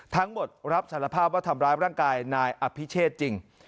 รับสารภาพว่าทำร้ายร่างกายนายอภิเชษจริง